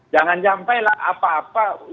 jangan sampai lah apa apa